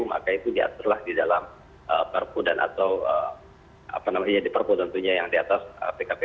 maka itu diaturlah di dalam perpudan atau apa namanya di perpu tentunya yang di atas pkpu